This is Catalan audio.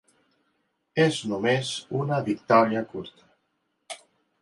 És només una victòria curta.